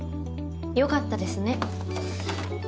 よかったですね。